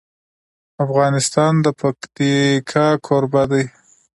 افغانستان د پکتیکا کوربه دی.